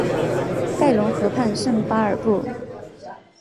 盖隆河畔圣巴尔布。